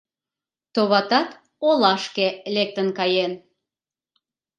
— Товатат, олашке лектын каен.